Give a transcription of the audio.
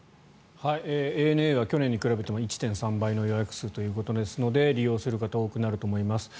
ＡＮＡは去年と比べても１．３倍の予約数ということですので利用する方が多くなると思います。